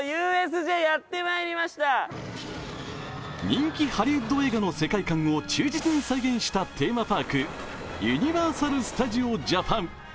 人気ハリウッド映画の世界観を忠実に再現したテーマパーク、ユニバーサル・スタジオ・ジャパン。